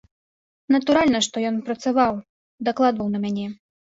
Натуральна, што ён працаваў, дакладваў на мяне.